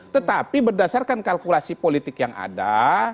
tetapi berdasarkan kalkulasi politik yang ada